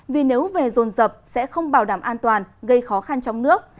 vì nếu về dồn rập sẽ không bảo đảm an toàn gây khó khăn trong nước